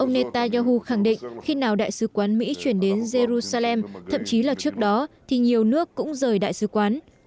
netanyahu khẳng định khi nào đại sứ quán mỹ chuyển đến jerusalem thậm chí là trước đó thì nhiều nước cũng rời đại sứ quán